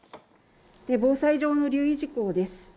防災上の留意事項です。